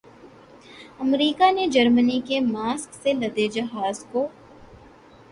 امریکا نے جرمنی کے ماسک سے لدے جہاز کو